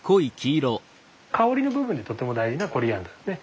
香りの部分でとても大事なコリアンダーですね。